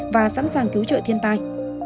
và sẵn sàng cứu trợ thiên tai